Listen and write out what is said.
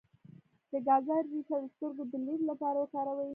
د ګازرې ریښه د سترګو د لید لپاره وکاروئ